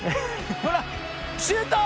ほらシュート！